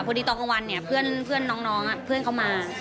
พอดีตอนกลางวันเนี่ยเพื่อนน้องเพื่อนเขามา